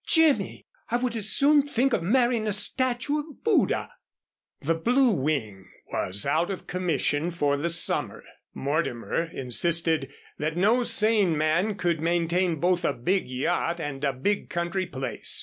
Jimmy! I would as soon think of marrying a statue of Buddha." The Blue Wing was out of commission for the summer. Mortimer insisted that no sane man could maintain both a big yacht and a big country place.